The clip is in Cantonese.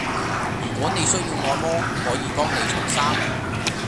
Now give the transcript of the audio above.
如果你需要按摩，可以幫你除衫